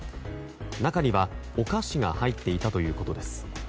中には、お菓子が入っていたということです。